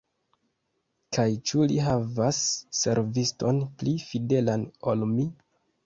Kaj ĉu li havas serviston pli fidelan ol mi?